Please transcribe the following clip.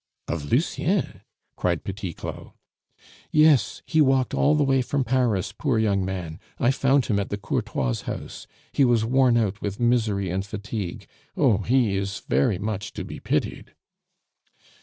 "Of Lucien?" cried Petit Claud. "Yes. He walked all the way from Paris, poor young man. I found him at the Courtois' house; he was worn out with misery and fatigue. Oh! he is very much to be pitied."